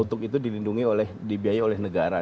untuk itu dilindungi oleh dibiaya oleh negara